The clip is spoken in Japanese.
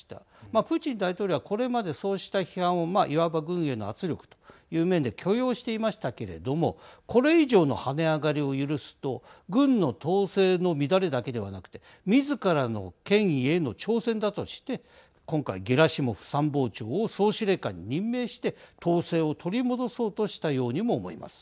プーチン大統領はこれまでそうした批判をいわば軍への圧力という面で許容していましたけれどもこれ以上の跳ね上がりを許すと軍の統制の乱れだけではなくてみずからの権威への挑戦だとして今回ゲラシモフ参謀長を総司令官に任命して統制を取り戻そうとしたようにも思います。